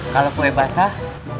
kalau kue basah